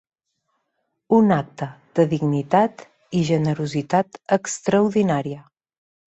Un acte de dignitat i generositat extraordinària.